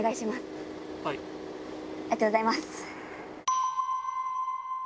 ありがとうございます。